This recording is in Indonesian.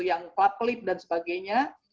yang club clip dan sebagainya